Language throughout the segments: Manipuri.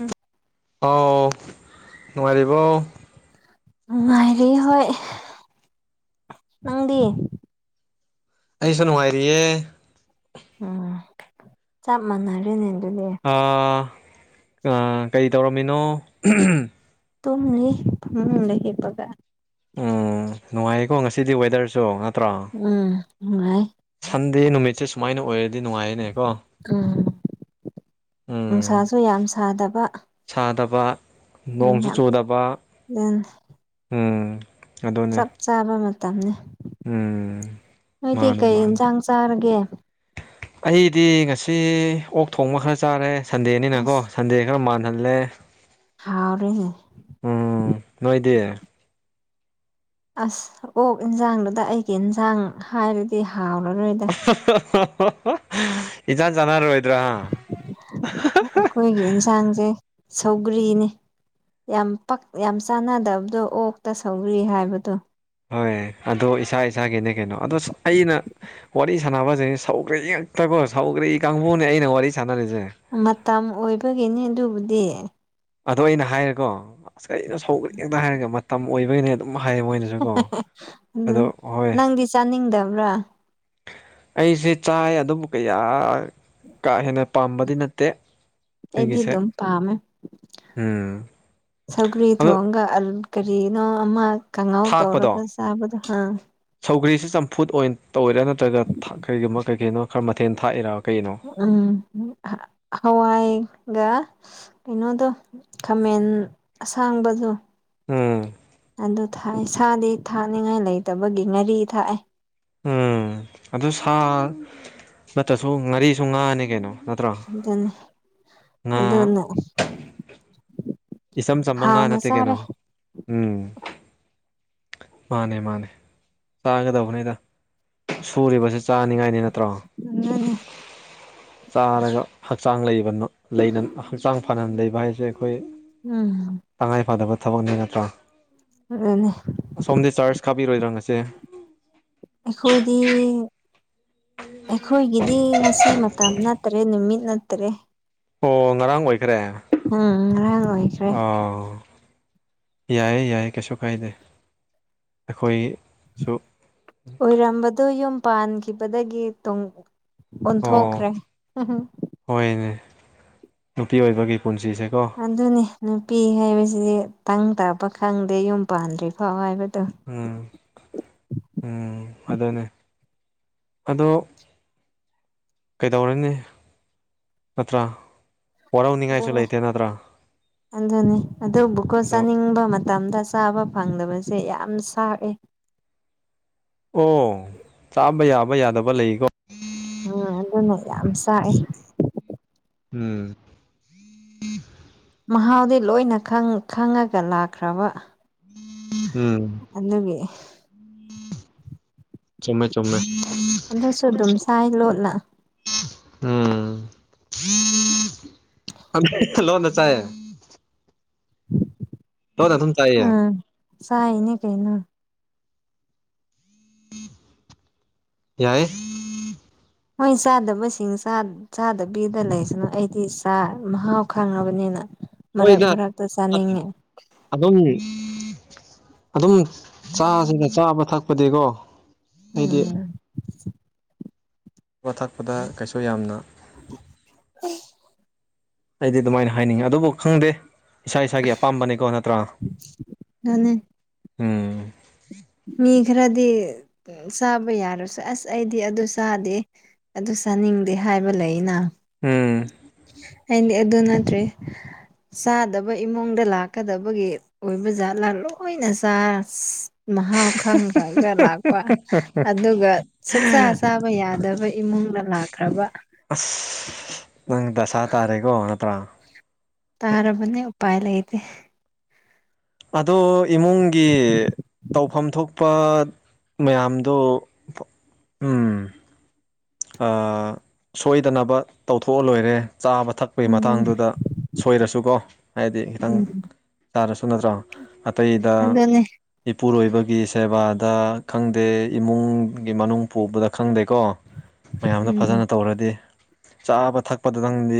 ꯎꯝ ꯑꯥꯎ ꯉꯥꯏꯔꯤꯕꯣ ꯅꯨꯡꯉꯥꯏꯔꯤ ꯍꯣꯏ ꯅꯪꯗꯤ ꯑꯩꯁꯨ ꯅꯨꯡꯉꯥꯏꯔꯤꯌꯦ ꯎꯝ ꯆꯞ ꯃꯅꯔ ꯅ ꯀꯩ ꯇꯧꯔꯝꯃꯤꯅꯣ ꯇꯨꯡꯅꯤ ꯎ ꯂꯩꯦꯄꯒ ꯎꯝ ꯅꯨꯡꯉꯥꯏꯌꯦꯀꯣ ꯉꯁꯤꯗꯤ ꯋꯦꯗꯔꯁꯨ ꯉꯥꯛ ꯎꯝ ꯅꯨꯡꯥꯏ ꯑꯗ ꯅꯨꯃꯤꯠꯁꯦ ꯁꯨꯃꯥꯏꯅ ꯑꯣꯏꯔꯗꯤ ꯅꯨꯡꯉꯥꯏꯔꯅꯦ ꯎꯝ ꯅꯨꯡꯁꯥꯁꯨ ꯌꯥꯝ ꯁꯥꯗꯕ ꯊꯥꯗꯕ ꯎꯝ ꯅꯣꯡꯁꯨ ꯆꯨꯗꯕ ꯌꯥꯝ ꯎꯝ ꯑꯗꯨꯅꯦ ꯆꯞ ꯆꯥꯕ ꯃꯇꯝꯅꯤꯅꯦ ꯎꯝ ꯉ ꯇ ꯃꯥꯅꯦ ꯀꯩ ꯃꯥꯅꯦ ꯆꯥꯡꯁ ꯁꯥꯔꯒꯦ ꯑꯩꯗꯤ ꯉꯁꯤ ꯁꯤ ꯑꯣꯛ ꯊꯣꯡꯕ ꯈꯔ ꯆꯥꯔꯦ ꯁꯟꯗꯦꯅꯤꯅꯀꯣ ꯁꯟꯗꯦ ꯈꯔ ꯃꯥꯜꯍꯜꯂꯦ ꯊꯥꯎꯔꯦꯦ ꯅꯣꯏꯗꯤ ꯑꯁ ꯑꯣꯛ ꯌꯦꯟꯖꯥꯡꯗꯨꯗ ꯑꯩꯒꯤ ꯏꯟꯁꯥꯡ ꯍꯥꯏꯔꯗꯤ ꯍꯥꯎꯔꯔꯣꯏꯗ ꯏꯖꯥ ꯔꯣ ꯑꯩꯈꯣꯏꯒꯤ ꯑꯦꯟꯁꯥꯡꯁꯦ ꯁꯧꯒ꯭ꯔꯤꯅꯤ ꯌꯥꯝ ꯌꯥꯝ ꯆꯥꯟꯅꯗꯕꯗꯣ ꯑꯣꯛꯇ ꯁꯧꯔꯤ ꯍꯥꯏꯕꯗꯣ ꯍꯣꯏ ꯑꯗꯣ ꯏꯁꯥ ꯏꯁꯥꯒꯤꯅꯦ ꯀꯩꯅꯣ ꯑꯗꯣ ꯑꯩꯅ ꯋꯥꯔꯤ ꯁꯥꯟꯅꯕꯁꯤ ꯁꯧꯈ꯭ꯔꯦ ꯉꯛꯇꯀꯣ ꯁꯧꯈ꯭ꯔꯦ ꯀꯥꯡꯕꯨꯅꯤ ꯑꯩꯅ ꯋꯥꯔꯤ ꯁ ꯃꯇꯝ ꯑꯣꯏꯕꯒꯤꯅꯤ ꯑꯗꯨꯕꯨꯗꯤ ꯑꯗꯣ ꯑꯩꯅ ꯍꯥꯏꯔꯦꯀꯣ ꯑꯁ ꯀꯩꯅꯣ ꯁꯧꯈ꯭ꯔꯦꯦꯛꯇ ꯍꯥꯏꯔꯒꯦ ꯃꯇꯝ ꯑꯣꯏꯕꯒꯤꯅꯦ ꯑꯗꯨꯝ ꯍꯥꯏꯌꯦ ꯃꯣꯏꯅꯁꯨꯀꯣ ꯑꯗꯨ ꯑꯗꯣ ꯍꯣꯏ ꯅꯪꯗꯤ ꯆꯥꯅꯤꯡꯗꯕ꯭ꯔꯥ ꯑꯩꯁꯦ ꯆꯥꯏ ꯑꯗꯨꯕꯨ ꯀꯌꯥ ꯀꯥ ꯍꯦꯟꯅ ꯄꯥꯝꯕꯗꯤ ꯅꯠꯇꯦ ꯑꯦꯗꯤ ꯑꯩꯒꯤꯁꯦ ꯑꯗꯨꯝ ꯄꯥꯝꯃꯦ ꯎꯝ ꯁꯒꯔꯤ ꯊ ꯑꯗꯣ ꯍꯣꯡꯒ ꯑ ꯀꯔꯤꯅꯣ ꯑꯃ ꯈꯪꯉꯥꯎ ꯇꯧꯔꯒ ꯊꯥꯛꯄꯗꯣ ꯆꯥꯕꯗꯣ ꯍꯪ ꯁꯧꯒ꯭ꯔꯤꯁꯤ ꯆꯝꯐꯨꯠ ꯑꯣꯏꯅ ꯇꯧꯤꯔꯥ ꯅꯠꯇ꯭ꯔꯒ ꯀꯩꯒꯨꯝꯕ ꯀꯩ ꯀꯅꯣ ꯈꯔ ꯃꯊꯦꯜ ꯊꯥꯛꯏꯔꯥ ꯀꯩꯅꯣ ꯎꯝ ꯍꯋꯥ ꯏꯒ ꯀꯩꯅꯣꯗꯣ ꯈꯥꯃꯦꯟ ꯑꯁꯥꯡꯕꯗꯣ ꯎꯝ ꯑꯗꯨ ꯊꯥꯛꯦ ꯁꯥꯗꯤ ꯊꯥꯛꯅꯤꯡꯉꯥꯏ ꯂꯩꯇꯕꯒꯤ ꯉꯥꯔꯤ ꯊꯥꯛꯑꯦ ꯎꯝ ꯑꯗꯨ ꯁꯥ ꯅꯠꯇ꯭ꯔꯁꯨ ꯉꯥꯔꯤꯁꯨ ꯉꯥꯅꯤ ꯀꯩꯅꯣ ꯅꯠꯇ꯭ꯔꯣ ꯑꯗꯨꯅꯤ ꯉꯥ ꯑꯗꯨꯅ ꯏꯝ ꯁꯃꯉꯥ ꯍꯥꯎꯅ ꯅꯠꯇ ꯀꯩꯅꯩꯅꯣ ꯆꯥꯔꯦ ꯎꯝ ꯃꯥꯅꯦ ꯃꯥꯅꯦ ꯆꯥꯡꯒꯗꯧꯕꯅꯤꯩꯗ ꯁꯨꯔꯤꯕꯁꯤ ꯆꯥꯅꯤꯡꯉꯥꯏꯅꯤ ꯅꯠꯇ꯭ꯔꯣ ꯉꯅꯤ ꯆꯥꯔꯒ ꯍꯛꯆꯥꯡ ꯂꯩꯕ ꯍꯛꯆꯥꯡ ꯐꯅꯅ ꯂꯩꯕ ꯍꯥꯏꯁꯦ ꯑꯩ ꯑꯩꯈꯣꯏ ꯎꯝ ꯇꯉꯥꯏ ꯐꯗꯕ ꯊꯕꯛꯅꯤ ꯅꯠꯇ꯭ꯔꯥ ꯑꯗꯨꯅꯦ ꯑꯁꯣꯝꯗꯤ ꯆꯥꯔꯖ ꯀꯥꯕꯤꯔꯣꯏꯗ꯭ꯔꯥ ꯉꯁꯦ ꯑꯩꯈꯣꯏꯗꯤ ꯑꯩꯈꯣꯏꯒꯤꯗꯤ ꯉꯁꯤꯃꯛ ꯇꯝꯅꯠꯇꯔꯦ ꯅꯤꯡꯃꯤ ꯅꯠꯇꯔꯦ ꯑꯣ ꯉꯔꯥꯡ ꯑꯣꯏꯈ꯭ꯔꯦ ꯉꯔꯥꯡ ꯑꯣꯏꯈ꯭ꯔꯦ ꯑꯥ ꯌꯥꯏꯌꯦ ꯌꯥꯏ ꯀꯩꯁꯨ ꯀꯥꯏꯗꯦ ꯑꯩꯈꯣꯏ ꯑꯣꯏꯔꯝꯕꯗꯨ ꯌꯨꯝ ꯄꯥꯟꯈꯤꯕꯗꯒꯤ ꯇꯨꯡ ꯑꯣ ꯑꯣꯟꯊꯣꯛꯈ꯭ꯔꯦ ꯍꯣꯏꯅꯦ ꯅꯨꯄꯤ ꯑꯣꯏꯕꯒꯤ ꯄꯨꯟꯁꯤ ꯑꯗꯨꯅꯦ ꯅꯨꯄꯤ ꯍꯥꯏꯕꯁꯤꯗꯤ ꯇꯪ ꯇꯥꯕ ꯈꯪꯗꯦ ꯌꯨꯝ ꯄꯥꯟꯗ꯭ꯔꯤ ꯐꯥꯎ ꯍꯥꯏꯕ ꯎꯝ ꯎꯝ ꯑꯗꯨꯗꯅꯦ ꯑꯗꯣ ꯀꯩꯗꯧꯔꯅꯤ ꯅꯠꯇ꯭ꯔꯥ ꯍꯔꯥꯎꯅꯤꯡꯉꯥꯏꯁꯨ ꯑꯗꯨꯅꯤ ꯂꯩꯇꯦ ꯅꯠꯇ꯭ꯔꯥ ꯑꯗꯨꯅꯤ ꯑꯗꯨ ꯕꯨꯀꯣ ꯑꯗꯣ ꯆꯥꯅꯤꯡꯕ ꯃꯇꯝꯗ ꯆꯥꯕ ꯐꯪꯗꯕꯁ ꯁꯦ ꯌꯥꯝ ꯁꯔꯑꯦ ꯑꯣ ꯆꯥꯕ ꯌꯥꯕ ꯌꯥꯗꯕ ꯂꯩꯀꯣ ꯑꯥ ꯑꯗꯨꯅ ꯌꯥꯝ ꯁꯥꯏꯦ ꯎꯝ ꯃꯍꯥꯎꯗꯤ ꯂꯣꯏꯅ ꯈꯪꯉꯒ ꯂꯥꯛꯈ꯭ꯔꯕ ꯎꯝ ꯑ ꯅꯒꯤ ꯆꯨꯝꯃꯦ ꯆꯨꯝꯃꯦ ꯑꯗꯨꯁꯨ ꯑꯗꯨꯝ ꯁꯥꯏ ꯂꯣꯠꯂ ꯎꯝ ꯂꯣꯅ ꯆꯥꯏꯦ ꯆꯥꯏꯌꯦ ꯎꯝ ꯁꯥꯏꯅꯤ ꯀꯩꯅ ꯌꯥꯏ ꯍꯣꯏ ꯆꯥꯗꯕꯁꯤꯡ ꯆꯥꯗꯕꯤꯗ ꯂꯩꯁꯅꯨ ꯑꯩꯗꯤ ꯆ ꯃꯍꯥꯎ ꯈꯪꯉꯕꯅꯤꯅ ꯃꯔꯛ ꯍꯣꯏꯗ ꯃꯔꯛꯇ ꯆꯥꯅꯤꯡꯉꯦ ꯑꯗꯨꯝ ꯑꯗꯨꯝ ꯆꯥꯁꯤꯅ ꯆꯥꯕ ꯊꯛꯄꯗꯤꯀꯣ ꯑꯩꯗꯤ ꯎꯝ ꯑꯕ ꯊꯛꯄꯗ ꯀꯩꯁꯨ ꯌꯥꯝꯅ ꯎ ꯑꯩꯗꯤ ꯑꯗꯨꯃꯥꯏꯅ ꯍꯥꯏꯅꯤꯡꯉꯤ ꯑꯗꯨꯕꯨ ꯈꯪꯗꯦ ꯏꯁꯥ ꯏꯁꯥꯒꯤ ꯑꯄꯥꯝꯕꯅꯤꯀꯣ ꯅꯠꯇ꯭ꯔꯥ ꯎꯝ ꯎꯝ ꯈꯔꯗꯤ ꯆꯥꯕ ꯌꯥꯔꯁꯨ ꯑꯁ ꯑꯩꯗꯤ ꯑꯗꯨ ꯆꯥꯗꯦ ꯑꯗꯨ ꯆꯥꯅꯤꯡꯗꯦ ꯍꯥꯏ ꯈꯥꯏꯕ ꯂꯩꯅ ꯎꯝ ꯑꯩꯗꯤ ꯑꯗꯨ ꯅꯠꯇ꯭ꯔꯦ ꯆꯥꯗꯕ ꯏꯃꯨꯡꯗ ꯂꯥꯛꯀꯗꯕꯒꯤ ꯑꯣꯏꯕ ꯖꯥꯠꯂꯥ ꯂꯣꯏꯅ ꯆ ꯃꯍꯥꯎ ꯈꯪꯈ꯭ꯔꯒ ꯂꯥꯛꯄ ꯑꯗꯨꯒ ꯁꯨꯛꯆꯥ ꯆꯥꯕ ꯌꯥꯗꯕ ꯑꯩꯈꯣꯏ ꯏꯃꯨꯡꯗ ꯂꯥꯛꯈ꯭ꯔꯕ ꯑꯁ ꯅꯪ ꯗꯁꯥ ꯇꯥꯔꯦꯀꯣ ꯅꯠꯇ꯭ꯔꯥ ꯇꯥꯔꯕꯔꯕꯅꯦ ꯎꯄꯥꯏ ꯂꯩꯇꯦ ꯑꯗꯣ ꯏꯃꯨꯡꯒꯤ ꯇꯧꯐꯝ ꯊꯣꯛꯄ ꯃꯌꯥꯝꯗꯣ ꯎꯝ ꯁꯣꯏꯗꯅꯕ ꯇꯧꯊꯣꯛꯑ ꯂꯣꯏꯔꯦ ꯆꯥꯕ ꯊꯛꯄꯒꯤ ꯑꯗꯨꯅꯦ ꯃꯇꯥꯡꯗꯨꯗ ꯁꯣꯏꯔꯁꯨꯀꯣ ꯍꯥꯏꯗꯤ ꯈꯤꯇꯪ ꯎꯝ ꯆꯥꯔꯁꯨ ꯅꯠꯇ꯭ꯔꯣ ꯑꯇꯩꯗ ꯑꯗꯨꯅꯦ ꯏꯄꯨꯔꯣꯏꯕꯒꯤ ꯁꯦꯕꯥꯗ ꯈꯪꯗꯦ ꯏꯃꯨꯡꯒꯤ ꯃꯅꯨꯡ ꯄꯨꯕꯗ ꯈꯪꯗꯦꯀꯣ ꯃꯌꯥꯝꯗꯣ ꯎꯝ ꯐꯖꯅ ꯇꯧꯔꯗꯤ ꯆꯥꯕ ꯊꯛꯄꯗꯗꯪꯗꯤ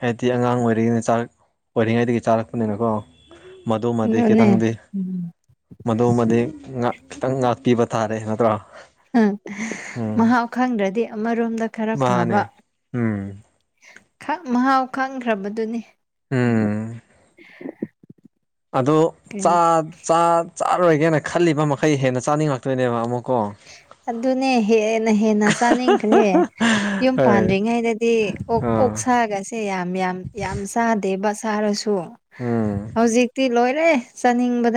ꯍꯥꯏꯗꯤ ꯑꯉꯥꯡ ꯑꯣꯏꯔꯤꯉꯩꯅ ꯆꯥꯛ ꯑꯣꯏꯔꯤꯉꯩꯗꯒꯤ ꯆꯥꯔꯛꯄꯅꯤꯅꯀꯣ ꯃꯗꯨꯃꯗꯤ ꯑꯗꯨꯅꯦ ꯈꯤꯇꯪꯗꯤ ꯎꯝ ꯃꯗꯨꯃꯗꯤ ꯈꯤꯇꯪ ꯉꯥꯛꯄꯤꯕ ꯊꯥꯔꯦ ꯅꯠꯇ꯭ꯔꯥ ꯎ ꯃꯍꯥꯎ ꯈꯪꯗ꯭ꯔꯗꯤ ꯑꯃꯔꯣꯝꯗ ꯗ ꯈꯔ ꯐꯕ ꯃꯥꯅꯦ ꯎꯝ ꯃꯍꯥꯎ ꯈꯪꯈ꯭ꯔꯕꯗꯨꯅꯤ ꯎꯝ ꯑꯗꯨ ꯀꯩꯅꯣ ꯆꯥꯔꯣꯏꯒꯦꯅ ꯈꯜꯂꯤꯕ ꯃꯈꯩ ꯍꯦꯟꯅ ꯆꯥꯅꯤꯡꯉꯛꯇꯣꯏꯅꯦꯕ ꯑꯃꯨꯛ ꯑꯣ ꯑꯗꯨꯅꯦ ꯍꯦꯟꯅ ꯍꯦꯟꯅ ꯆꯥꯅꯤꯡꯈ꯭ꯔꯦ ꯌꯨꯝ ꯍꯣꯏ ꯄꯥꯟꯗ꯭ꯔꯤꯉꯩꯗꯗꯤ ꯑꯣ ꯛ ꯑꯥ ꯁꯥꯒꯁꯦ ꯌꯥꯝ ꯌꯥꯝ ꯌꯥꯝ ꯆꯥꯗꯦ ꯕꯁ ꯁꯥꯔꯁꯨ ꯎꯝ ꯍꯧꯖꯤꯛꯇꯤ ꯂꯣꯏꯔꯦ ꯆꯥꯅꯤꯡꯕ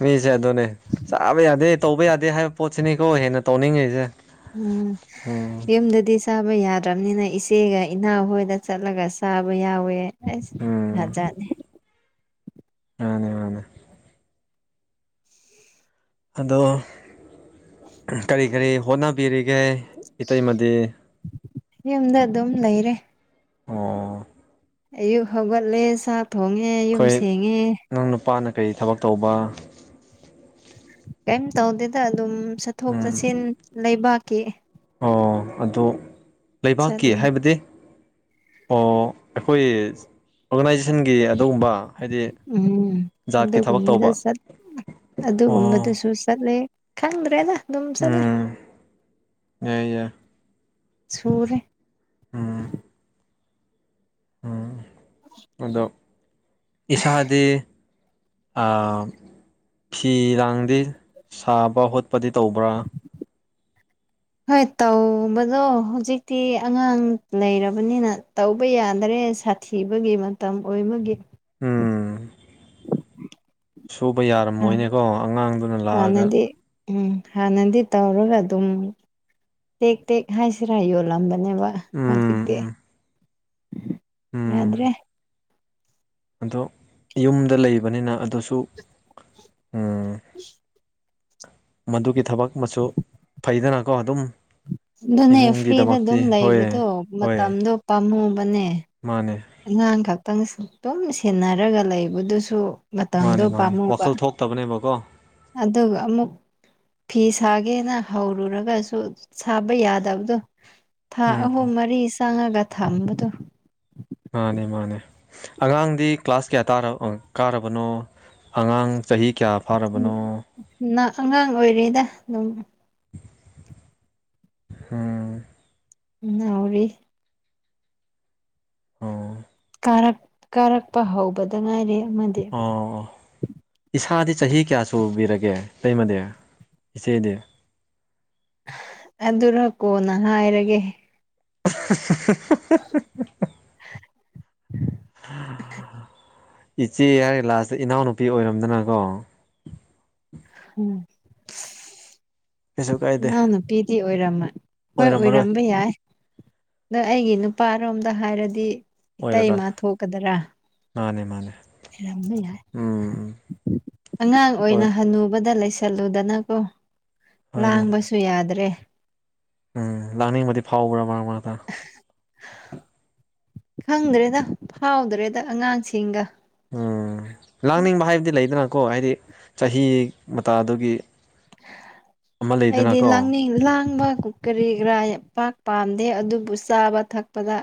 ꯃꯤꯁꯦ ꯑꯗꯨꯅꯦ ꯆꯥꯕ ꯌꯥꯗꯦ ꯇꯧꯕ ꯌꯥꯗꯦ ꯍꯥꯏꯕ ꯄꯣꯠꯁꯤꯅꯤꯀꯣ ꯍꯦꯟꯅ ꯇꯧꯅꯤꯡꯉꯤꯁꯦ ꯎꯝ ꯎꯝ ꯌꯨꯝꯗꯗꯤ ꯁꯥꯕ ꯌꯥꯗ ꯌꯥꯠꯇ꯭ꯔꯕꯅꯤꯅ ꯏꯆꯦꯒ ꯏꯅꯥ ꯍꯣꯏꯗ ꯆꯠꯂꯒ ꯆꯥꯕ ꯌꯥꯎꯋꯦ ꯁ ꯍꯖꯦ ꯑꯅꯦ ꯃꯥꯅꯦ ꯑꯗꯣ ꯀꯔꯤ ꯀꯔꯤ ꯍꯣꯠꯅꯕꯤꯔꯤꯒꯦ ꯏꯇꯩꯃꯗꯤ ꯌꯨꯝꯗ ꯑꯗꯨꯝ ꯂꯩꯔꯦ ꯑ ꯑꯌꯨꯛ ꯍꯧꯒꯠꯂꯦ ꯆꯥꯛ ꯊꯣꯡꯉꯦ ꯌꯨꯝ ꯁꯦꯡꯉꯦ ꯀꯩ ꯊꯕꯛ ꯇꯧꯕ ꯀꯩꯝ ꯇꯧꯗꯦꯗ ꯑꯗꯨꯝ ꯆꯠꯊꯣꯛ ꯎꯝ ꯆꯠꯁꯤꯟ ꯂꯩꯕꯥꯛꯀꯤ ꯑꯣ ꯑꯗꯣ ꯂꯩꯕꯥꯛꯀꯤ ꯆꯠꯂꯤ ꯍꯥꯏꯕꯗꯤ ꯑꯣ ꯑꯩꯈꯣꯏ ꯑꯣꯒꯅꯥꯏꯖ ꯄꯁꯤꯟꯒꯤ ꯑꯗꯨꯒꯨꯝꯕ ꯍꯥꯏꯗꯤ ꯎꯝ ꯖꯥꯠꯀꯤ ꯊꯕꯛ ꯇꯧꯕ ꯑꯗꯨꯗ ꯑꯣ ꯑꯣꯝꯕꯗꯨ ꯁꯨꯁꯂꯦ ꯈꯪꯗ꯭ꯔꯦꯗ ꯑꯗꯨꯝ ꯆꯂ ꯎꯝ ꯌꯥꯏ ꯌꯥꯏ ꯁꯨꯔꯣꯔ ꯎꯝ ꯑꯗ ꯏꯁꯥꯗꯤ ꯑ ꯐꯤ ꯂꯥꯡꯗꯤ ꯁꯥꯕ ꯈꯣꯠꯄꯗꯤ ꯇꯧꯕ꯭ꯔꯥ [inaudible] ꯍꯣꯏ ꯇꯧꯕꯗꯣ ꯍꯧꯖꯤꯛꯇꯤ ꯑꯉꯥꯡ ꯂꯩꯔꯕꯅꯤꯅ ꯇꯧꯕ ꯌꯥꯗ꯭ꯔꯦ ꯦ ꯁꯥꯊꯤꯕꯒꯤ ꯃꯇꯝ ꯑꯣꯏꯕꯒꯤ ꯎꯝ ꯁꯨꯕ ꯌꯥꯔꯝꯃꯣꯏꯅꯦꯀꯣ ꯑꯉꯥꯡꯗꯨꯅ ꯂꯥꯛꯑꯒ ꯍꯥꯟꯅꯗꯤ ꯎꯝ ꯍꯥꯟꯅꯗꯤ ꯇꯧꯔꯒ ꯑꯗꯨꯝ ꯇꯦꯛ ꯇꯦꯛ ꯍꯥꯏꯁꯤꯔꯥ ꯌꯣꯜꯂꯝꯕꯅꯤ ꯕ ꯎꯝ ꯍꯀꯗꯦ ꯎꯝ ꯎꯝ ꯌꯥꯗ꯭ꯔꯦ ꯑꯗꯣ ꯌꯨꯝꯗ ꯂꯩꯕꯅꯤꯅ ꯑꯗꯨꯁꯨ ꯃꯗꯨꯒꯤ ꯊꯕꯛ ꯃꯆꯨ ꯐꯩꯗꯅꯀꯣ ꯑꯗꯨꯝ ꯑꯗꯨꯅꯦ ꯐ꯭ꯔꯤꯗ ꯑꯗꯨꯝ ꯏꯃꯨꯡꯒꯤꯗꯃꯛꯇꯤ ꯂꯩꯕꯗꯣ ꯍꯣꯏ ꯍꯣꯏ ꯃꯇꯝꯗꯣ ꯄꯥꯝꯃꯨꯕꯅꯦ ꯃꯥꯅꯦ ꯑꯉꯥꯡ ꯈꯛꯇꯪ ꯑꯗꯨꯝ ꯁꯦꯟꯅꯔꯒ ꯂꯩꯕꯗꯨꯁꯨ ꯃꯇꯝꯗꯣ ꯃꯥꯅꯦ ꯃꯥꯅꯦ ꯄꯥꯝꯃꯨꯕ ꯋꯥꯈꯜ ꯊꯣꯛꯇꯕꯅꯦꯕꯀꯣ ꯑꯗꯨꯒ ꯑꯃꯨꯛ ꯐꯤ ꯁꯥꯒ ꯒꯦꯅ ꯍꯧꯔꯨꯔꯒꯁꯨ ꯁꯥꯕ ꯌꯥꯗꯕꯗꯣ ꯊꯥ ꯎꯝ ꯑꯍꯨꯝ ꯃꯔꯤ ꯆꯪꯉꯒ ꯊꯝꯕꯗꯣ ꯃꯥꯅꯦ ꯃꯥꯅꯦ ꯑꯉꯥꯡꯗꯤ ꯀ꯭ꯂꯥꯁ ꯀꯌꯥꯥ ꯀꯥꯔꯕꯅꯣ ꯑꯉꯥꯡ ꯆꯍꯤ ꯀꯌꯥ ꯐꯥꯔꯕꯅꯣ ꯑꯉꯥꯡ ꯑꯣꯏꯔꯤꯔꯤꯗ ꯑꯗꯨꯝ ꯍꯥꯝ ꯎꯝ ꯍꯧꯔꯤ ꯑꯣ ꯀꯥꯔꯛ ꯀꯥꯔꯛꯄ ꯍꯧꯕꯗ ꯉꯥꯏꯔꯦ ꯑ ꯏꯁꯥꯗꯤ ꯆꯍꯤ ꯀꯌꯥ ꯁꯨꯕꯤꯔꯒꯦ ꯂꯩꯃꯗꯤ ꯏꯆꯦꯗꯤ ꯑꯗꯨꯔ ꯀꯣꯅ ꯍꯥꯏꯔꯒꯦ [unintelligible] [unintelligible] ꯏꯆꯦ ꯍꯥꯏꯔꯦ ꯂꯥꯁꯇ ꯏꯅꯥꯎꯅꯨꯄꯤ ꯑꯣꯏꯔꯝꯗꯅꯀꯣ ꯎꯝ ꯀꯩꯁꯨ ꯀꯥꯏꯗꯦ ꯏꯅꯥꯎ ꯅꯨꯨꯄꯤꯗꯤ ꯑꯣꯏꯔꯝꯃ ꯍꯣꯏ ꯑꯣꯏꯔꯝꯃꯔꯣꯏ ꯑꯣꯏꯔꯝꯕ ꯌꯥꯏ ꯑꯗꯣ ꯑꯩꯒꯤ ꯅꯨꯄꯥꯔꯣꯝꯗ ꯍꯥꯏꯔꯗꯤ ꯑꯣꯏꯔꯔꯣꯏ ꯏꯇꯩꯃ ꯊꯣꯛꯀꯗꯔꯥ ꯃꯥꯅꯦ ꯃꯥꯅꯦ ꯔ ꯌꯥꯏ ꯎꯝ ꯎꯝ ꯑꯉꯥꯡ ꯑꯣꯏꯅ ꯍꯣꯏ ꯍꯟꯅꯨꯕꯗ ꯂꯩ ꯆꯠꯂꯨꯗꯅꯀꯣ ꯍꯣꯏꯅꯦ ꯂꯥꯡꯕꯁꯨ ꯌꯥꯗ꯭ꯔꯦ ꯎꯝ ꯂꯥꯛꯅꯤꯡꯕꯗꯤ ꯐꯥꯎꯕ꯭ꯔꯥ ꯃꯔꯥꯡ ꯃꯔꯥꯡ ꯇꯥꯅ ꯈꯪꯗ꯭ꯔꯦꯗ ꯐꯥꯎꯗ꯭ꯔꯦꯗ ꯑꯉꯥꯡꯁꯤꯡꯒ ꯎꯝ ꯂꯥꯡꯅꯤꯡꯕ ꯍꯥꯏꯕꯗꯤ ꯂꯩꯗꯅꯀꯣ ꯍꯥꯏꯗꯤ ꯆꯍꯤ ꯃꯇꯥꯗꯨꯒꯤ ꯑꯃ ꯑꯩꯗꯤ ꯂꯩꯗꯅꯀꯣ ꯂꯥꯡꯅꯤꯡ ꯂꯥꯡ ꯑꯪꯕ ꯀꯨꯀꯔꯤꯒꯔꯥꯄꯥꯛ ꯄꯥꯝꯗꯦ ꯑꯗꯨꯕꯨ ꯆꯥꯕ ꯊꯛꯄꯗ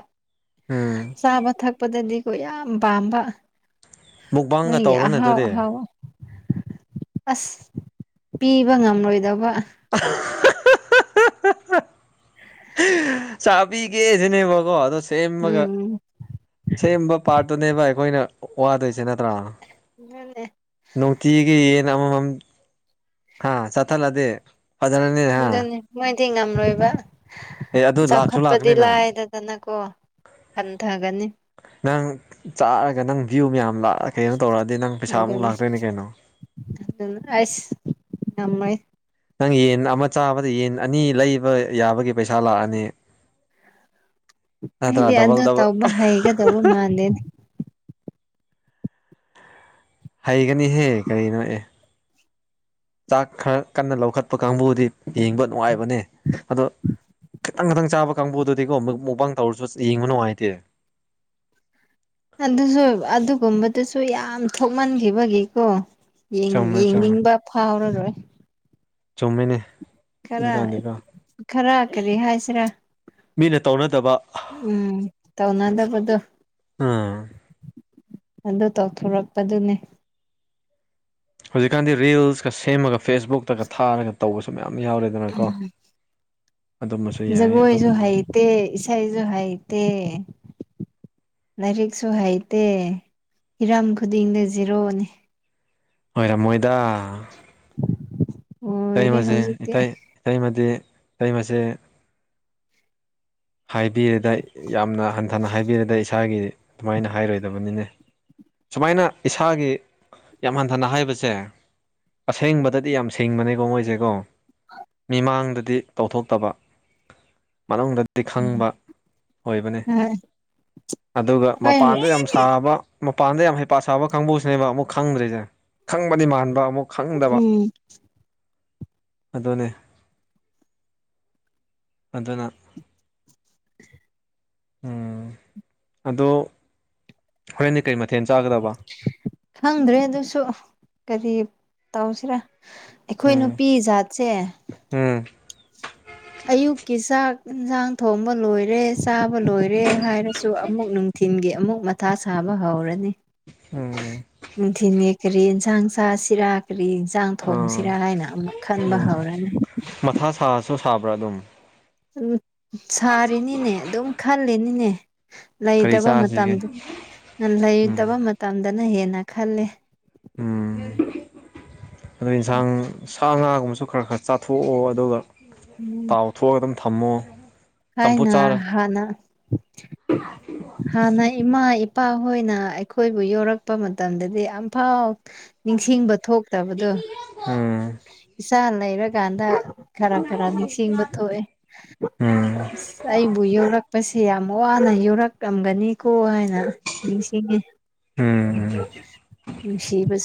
ꯎꯝ ꯆꯥꯕ ꯊꯛꯄꯗꯗꯤꯀꯣ ꯌꯥꯝ ꯄꯥꯝꯕ ꯃꯨꯛꯕꯥꯡꯒ ꯃꯣꯏ ꯇꯧꯔꯣꯅꯦ ꯍꯥꯎ ꯑꯗꯨꯗꯤ ꯍꯥꯎ ꯑꯁ ꯄꯤꯕ ꯉꯝꯂꯣꯏꯗꯕ ꯑ ꯆꯕꯤꯤꯒꯦꯁꯤꯅꯦꯕꯣ ꯑꯗꯨꯗꯣ ꯁꯦꯝꯃꯒ ꯎꯝ ꯁꯦꯝꯕ ꯄꯥꯔꯠꯇꯨꯅꯦꯕ ꯑꯩꯈꯣꯏꯅ ꯋꯥꯗꯣꯏꯁꯦ ꯅꯠꯇ꯭ꯔꯥ ꯑꯗꯨꯅꯦ ꯅꯅꯨꯡꯇꯒ ꯑꯃ ꯆꯠꯊꯠꯂꯗꯤ ꯐꯖꯅꯅꯤ ꯗꯤ ꯉꯝꯂꯣꯏꯕ ꯂꯥꯛꯁꯨ ꯆꯥꯎꯈꯠꯄꯗꯤ ꯂꯥꯛꯀꯅꯤꯅ ꯂꯥꯏꯗꯗꯅꯀꯣ ꯍꯊꯒꯅꯤ ꯅꯪ ꯆꯥꯔꯒ ꯅꯪ ꯚ꯭ꯌꯨ ꯌꯥꯝꯌꯥꯝ ꯂꯥꯛꯑ ꯀꯩꯅꯣ ꯇꯧꯔꯛꯑꯗꯤ ꯅꯪ ꯄꯩꯁꯥꯃꯨꯛ ꯑꯗꯨꯅꯦ ꯂꯥꯛꯇꯣꯏꯅꯦ ꯀꯩꯅꯣ ꯑꯁ ꯉꯥꯏ ꯅꯪ ꯌꯦꯟ ꯑꯃ ꯆꯥꯕꯗ ꯌꯦꯟ ꯑꯅꯤ ꯂꯩꯕ ꯌꯥꯕꯒꯤ ꯄꯩꯁꯥ ꯂꯥꯛꯑꯅꯤ ꯅꯠꯇ꯭ꯔꯥ ꯍꯥꯏꯗꯤ ꯑ ꯗꯕꯜ ꯗꯕꯜ ꯇꯧꯕ ꯍꯩꯒꯗꯕ ꯃꯥꯟꯗꯦꯅꯦ ꯍꯩꯒꯅꯤꯍꯦ ꯀꯔꯤꯅꯣꯑꯦ ꯆꯥꯛ ꯈꯔ ꯀꯟꯅ ꯂꯧꯈꯠꯄ ꯀꯥꯡꯕꯨꯗꯤ ꯌꯦꯡꯕ ꯅꯨꯡꯉꯥꯏꯕꯅꯦ ꯑꯗꯣ ꯈꯤꯇꯪ ꯈꯤꯇꯪ ꯆꯥꯕ ꯀꯥꯡꯕꯨꯗꯨꯗꯤꯀꯣ ꯑꯃꯨꯛ ꯃꯨꯛꯕꯥꯥꯡ ꯇꯧꯔꯁꯨ ꯌꯦꯡꯕ ꯅꯨꯡꯉꯥꯏꯇꯦ ꯑꯗꯨꯁꯨ ꯑꯗꯨꯒꯨꯝꯕꯗꯨꯁꯨ ꯌꯥꯝ ꯊꯣꯛꯃꯟꯈꯤꯕꯒꯤꯀꯣ ꯌꯦ ꯆꯨꯝꯃꯦ ꯆꯨꯝꯃꯦ ꯌꯦꯡꯅꯤꯡꯕ ꯐꯥꯎꯔꯔꯣꯏ ꯆꯨꯝꯃꯤꯅꯦ ꯈꯔ ꯍꯧꯖꯤꯛꯀꯥꯟꯗꯤꯀꯣ ꯈꯔ ꯀꯔꯤ ꯍꯥꯏꯁꯤꯔꯥ ꯃꯤꯅ ꯇꯧꯅꯗꯕ ꯎꯝ ꯇꯧꯅꯗꯕꯗꯨ ꯑꯥ ꯑꯗꯨ ꯇꯧꯊꯣꯔꯛꯄꯗꯨꯅꯦ ꯍꯧꯖꯤꯛꯀꯥꯟꯗꯤ ꯔꯤꯜꯁꯀ ꯁꯦꯝꯃꯒ ꯐꯦꯁꯕꯨꯛꯇꯒ ꯊꯥꯔꯒ ꯇꯧꯕꯁꯨ ꯃꯌꯥꯝ ꯌꯥꯎꯔꯦꯗꯅꯀꯣ ꯑꯗꯨꯝꯕꯁꯨ ꯌꯥꯏ ꯑꯗꯨꯝ ꯖꯒꯣꯏꯁꯨ ꯍꯩꯇꯦ ꯏꯁꯩꯁꯨ ꯍꯩꯇꯦ ꯂꯥꯏꯔꯤꯛꯁꯨ ꯍꯩꯇꯦ ꯍꯤꯔꯝ ꯈꯨꯗꯤꯡꯗ ꯖꯤꯔꯛꯑꯣꯅꯦ ꯍꯣꯏ ꯔꯃꯣꯏꯗ ꯑꯣꯏꯔꯦ ꯏꯇꯩꯃꯁꯦ ꯍꯧꯖꯤꯛꯇꯤ ꯏꯇꯩ ꯏꯇꯩꯃꯗꯤ ꯏꯇꯩꯃꯁꯦ ꯍꯥꯏꯕꯤꯔꯦꯗ ꯌꯥꯝꯅ ꯍꯟꯊꯅ ꯍꯥꯏꯕꯤꯔꯦꯗ ꯏꯁꯥꯒꯤ ꯑꯗꯨꯃꯥꯏꯅ ꯍꯥꯏꯔꯣꯏꯗꯕꯅꯤꯅꯦ ꯁꯨꯃꯥꯏꯅ ꯏꯁꯥꯒꯤ ꯌꯥꯝ ꯍꯟꯊꯅ ꯍꯥꯏꯕꯁꯦ ꯑꯁꯦꯡꯕꯗꯗꯤ ꯌꯥꯝ ꯁꯦꯡꯕꯅꯦꯀꯣ ꯃꯣꯏꯁꯦꯀꯣ ꯃꯤꯃꯥꯡꯗꯗꯤ ꯇꯧꯊꯣꯛꯇꯕ ꯃꯅꯨꯡꯗ ꯤ ꯈꯪꯕ ꯑꯣꯏꯕꯅꯤ ꯑꯗꯨꯒ ꯍꯣꯏ ꯃꯄꯥꯟꯗ ꯌꯥꯝ ꯁꯥꯕ ꯃꯄꯥꯟꯗ ꯌꯥꯝ ꯍꯩꯄꯥ ꯁꯥꯕ ꯀꯥꯡꯕꯨꯧꯁꯤꯅꯦꯕ ꯑꯃꯨꯛ ꯈꯪꯗ꯭ꯔꯤꯁꯦ ꯈꯪꯕꯗꯤ ꯃꯥꯟꯕ ꯑꯃꯨꯛ ꯈꯪꯗꯕ ꯎꯝ ꯑꯗꯨꯅꯦ ꯑꯗꯨꯅ ꯎꯝ ꯑꯗꯣ ꯍꯣꯔꯦꯟꯅꯤ ꯀꯩꯃ ꯈꯪꯗ꯭ꯔꯦ ꯑꯗꯨꯁꯨ ꯀꯔꯤ ꯇꯧꯁꯤꯔꯥ ꯑꯩꯈꯣꯏ ꯎꯝ ꯅꯨꯄꯤ ꯖꯥꯠꯁꯦ ꯎꯝ ꯑꯌꯨꯛꯀꯤ ꯆꯥꯛ ꯌꯦꯟꯁꯥꯡ ꯊꯣꯡꯕ ꯂꯣꯏꯔꯦ ꯆꯥꯕ ꯂꯣꯏꯔꯦ ꯍꯥꯏꯔ ꯁꯨ ꯑꯃꯨꯛ ꯅꯨꯡꯊꯤꯜꯒꯤ ꯑꯃꯨꯛ ꯃꯊꯥ ꯁꯥꯕ ꯍꯧꯔꯅꯤ ꯎꯝ ꯅꯨꯡꯊꯤꯜꯒꯤ ꯀꯔꯤ ꯌꯦꯟꯁꯥꯡ ꯁꯥ ꯆꯔꯥꯛ ꯀꯔꯤ ꯌꯦꯟꯁꯥꯡ ꯑꯥ ꯊꯣꯡꯁꯤꯔꯥ ꯍꯥꯏꯅ ꯑꯃꯨꯛ ꯈꯟꯕ ꯍꯧꯔꯅꯤ ꯁꯨ ꯁꯥꯕ꯭ꯔꯥ ꯑꯗꯨꯝ ꯎꯝ ꯁꯥꯔꯤꯅꯤꯅꯦ ꯑꯗꯨꯝ ꯈꯜꯂꯤꯦꯅꯤꯅꯦ ꯀꯔꯤ ꯂꯩꯇꯕ ꯃꯇꯝ ꯆꯥꯁꯤꯒꯦ ꯎꯝ ꯂꯩꯇꯕ ꯃꯇꯝꯗꯅ ꯍꯦꯟꯅ ꯈꯜꯂꯦ ꯎꯝ ꯑꯗꯨꯗ ꯏꯁ ꯁꯥ ꯉꯥꯒꯨꯝꯕꯁꯨ ꯈꯔ ꯈꯔ ꯆꯥꯊꯣꯛꯑꯣ ꯑꯗꯨꯒ ꯇꯥꯎ ꯊꯣꯛꯑꯒ ꯑꯗꯨꯝ ꯊꯝꯃꯣ ꯆꯝꯐꯨꯠ ꯀꯥꯏꯅ ꯆꯥꯔ ꯍꯥꯟꯅ ꯍꯥꯟꯅ ꯏꯃꯥ ꯏꯄꯥ ꯍꯣꯏꯅ ꯑꯩꯈꯣꯏꯕꯨ ꯌꯧꯔꯛꯄ ꯃꯇꯝꯗꯗꯤ ꯌꯥꯝꯝꯐꯥꯎ ꯅꯤꯡꯁꯤꯡꯕ ꯊꯣꯛꯇꯕꯗꯣ ꯎꯝ ꯏꯆꯥ ꯂꯩꯔꯀꯥꯟꯗ ꯈꯔ ꯈꯔ ꯅꯤꯡꯁꯤꯡꯕ ꯊꯣꯛꯑꯦ ꯎꯝ ꯑꯁ ꯑꯩꯕꯨ ꯌꯧꯔꯛꯄꯁꯦ ꯌꯥꯝ ꯋꯥꯅ ꯌꯧꯔꯛꯂꯝꯒꯅꯤꯀꯣ ꯍꯥꯏ ꯅꯨꯡꯁꯤꯉ ꯎꯝ ꯅꯨꯡꯁꯤꯕꯁꯨ